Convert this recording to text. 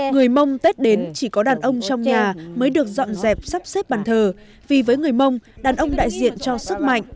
người mông tết đến chỉ có đàn ông trong nhà mới được dọn dẹp sắp xếp bàn thờ vì với người mông đàn ông đại diện cho sức mạnh